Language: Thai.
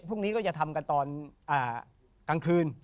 พรุ่งนี้ก็จะทำกันตอนกลางคืน